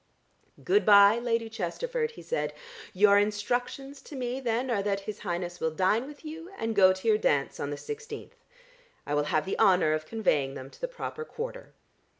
"Good bye, Lady Chesterford," he said. "Your instructions to me then are that His Highness will dine with you and go to your dance on the sixteenth. I will have the honour of conveying them to the proper quarter."